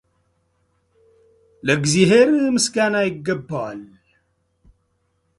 ለእግዚአብሔር ምስጋና ይገባዋል፡፡